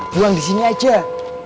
belum disini aja